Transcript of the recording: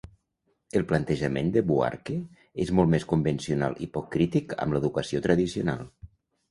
El plantejament de Buarque és molt més convencional i poc crític amb l'educació tradicional.